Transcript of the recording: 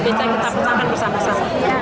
bisa kita petakan bersama sama